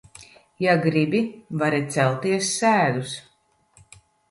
Ja gribi, vari celties sēdus.